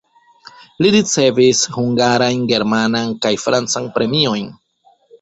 Li ricevis hungarajn, germanan kaj francan premiojn.